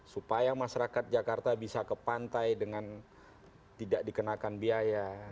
supaya masyarakat jakarta bisa ke pantai dengan tidak dikenakan biaya